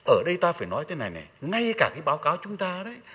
ở đây ta phải nói thế này này ngay cả cái báo cáo chúng ta đấy